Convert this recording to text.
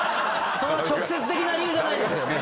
直接的な理由じゃないですよね